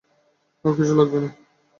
আর কিছু লাগবে না।